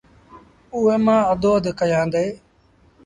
اُئي مآݩ اڌو اڌ ڪيآݩدي